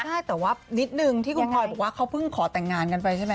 ใช่แต่ว่านิดนึงที่คุณพลอยบอกว่าเขาเพิ่งขอแต่งงานกันไปใช่ไหม